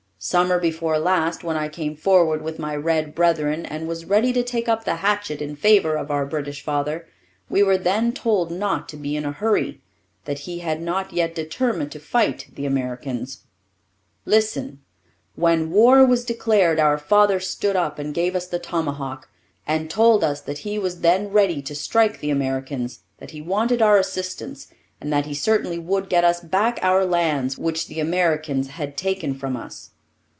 Summer before last, when I came forward with my red brethren and was ready to take up the hatchet in favour of our British father, we were then told not to be in a hurry that he had not yet determined to fight the Americans. Listen! When war was declared our father stood up and gave us the tomahawk, and told us that he was then ready to strike the Americans; that he wanted our assistance, and that he certainly would get us back our lands, which the Americans had taken from us.